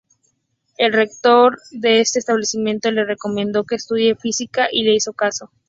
El rector de ese establecimiento le recomendó que estudie Física y le hizo caso.